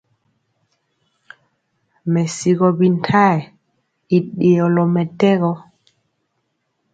Mɛsigɔ bintayɛ i ɗeyɔlɔ mɛtɛgɔ.